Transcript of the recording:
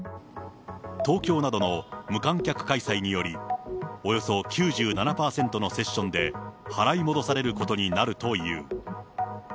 東京などの無観客開催により、およそ９７％のセッションで払い戻されることになるという。